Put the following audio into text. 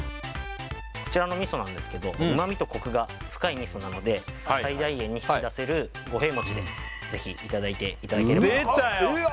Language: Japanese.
こちらの味噌なんですけど旨みとコクが深い味噌なので最大限に引き出せる五平餅でぜひいただいていただければなと出たよ！